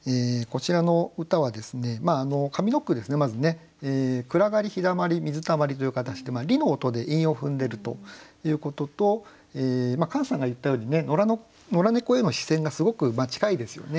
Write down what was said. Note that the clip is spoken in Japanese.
まずね「暗がり陽だまり水たまり」という形で「り」の音で韻を踏んでるということとカンさんが言ったように野良猫への視線がすごく近いですよね。